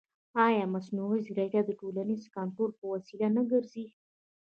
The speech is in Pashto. ایا مصنوعي ځیرکتیا د ټولنیز کنټرول وسیله نه ګرځي؟